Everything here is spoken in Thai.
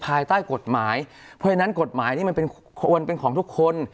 ภายใต้กฎหมายเพราะฉะนั้นกฎหมายนี้มันเป็นควรเป็นของทุกคน